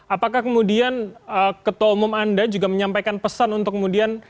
apakah kemudian ketua umum anda juga menyampaikan pesan untuk kemudian